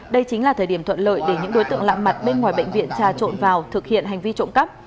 đây chính là thời điểm thuận lợi để những đối tượng lạ mặt bên ngoài bệnh viện trà trộn vào thực hiện hành vi trộm cắp